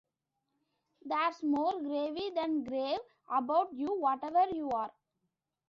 There's more gravy than grave about you, whatever you are!